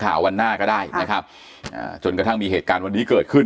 วันหน้าก็ได้นะครับอ่าจนกระทั่งมีเหตุการณ์วันนี้เกิดขึ้น